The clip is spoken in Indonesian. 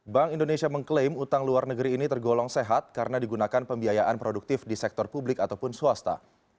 bank indonesia mengklaim utang luar negeri ini tergolong sehat karena digunakan pembiayaan produktif di sektor publik ataupun swasta